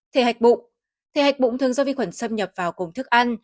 thể hạch bụng thể hạch bụng thường do vi khuẩn xâm nhập vào cùng thức ăn